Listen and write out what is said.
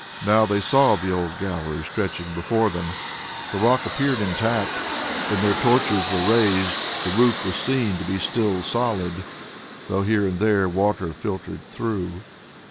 Now they saw the old gallery stretching before them. The rock appeared intact. When the torches were raised, the roof was seen to be still solid, though here and there water filtered through.